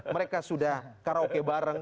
mereka sudah karaoke bareng